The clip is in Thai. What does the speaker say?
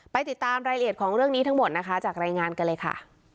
ติดตามรายละเอียดของเรื่องนี้ทั้งหมดนะคะจากรายงานกันเลยค่ะ